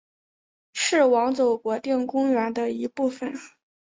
是网走国定公园的一部分。